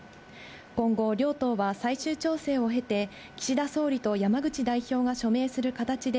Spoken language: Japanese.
今後、両党は最終調整を経て、岸田総理と山口代表が署名する形で